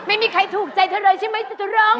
ไม่มีใครถูกใจเธอเลยใช่ไหมลอง